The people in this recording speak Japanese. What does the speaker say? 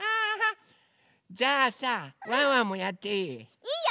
じゃあさワンワンもやっていい？